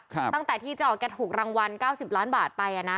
ตั้งแต่ที่เจ๋อ๋อแกถูกรางวัล๙๐ล้านบาทไปนะ